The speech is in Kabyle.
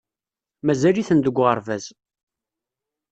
Mazal-iten deg uɣerbaz.